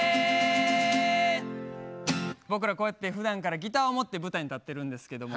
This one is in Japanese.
僕らこうやってふだんからギターを持って舞台に立ってるんですけども。